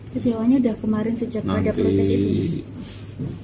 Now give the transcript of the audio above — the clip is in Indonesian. kecewanya udah kemarin sejak tiga bulan